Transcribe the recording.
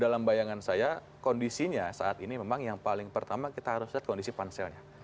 dalam bayangan saya kondisinya saat ini memang yang paling pertama kita harus lihat kondisi panselnya